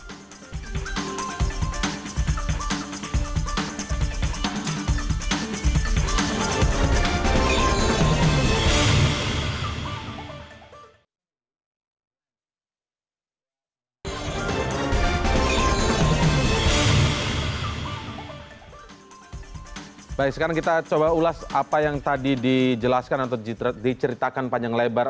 hai baik sekarang kita coba ulas apa yang tadi dijelaskan atau citra diceritakan panjang lebar